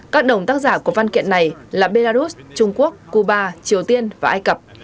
các đồng tác giả của văn kiện này là belarus trung quốc cuba triều tiên và ai cập